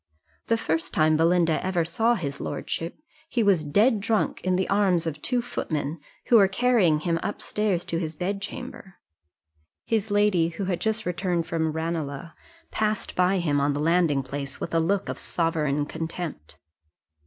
The first time Belinda ever saw his lordship, he was dead drunk in the arms of two footmen, who were carrying him up stairs to his bedchamber: his lady, who was just returned from Ranelagh, passed by him on the landing place with a look of sovereign contempt.